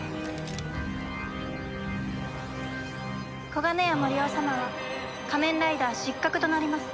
小金屋森魚様は仮面ライダー失格となります。